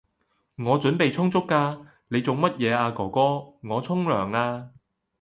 我準備充足㗎，你做乜嘢啊哥哥？我沖涼呀